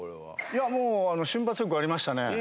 いやもう瞬発力ありましたね。